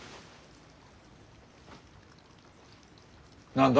何だ？